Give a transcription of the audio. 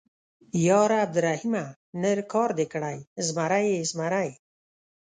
_ياره عبدالرحيمه ، نر کار دې کړی، زمری يې، زمری.